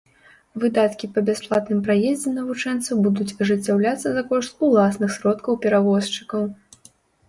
Выдаткі па бясплатным праездзе навучэнцаў будуць ажыццяўляцца за кошт уласных сродкаў перавозчыкаў.